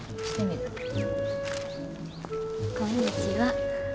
こんにちは。